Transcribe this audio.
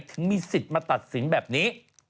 ถึงมีสิทธิ์มาตัดสินแบบนี้